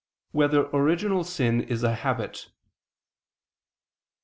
1] Whether Original Sin Is a Habit?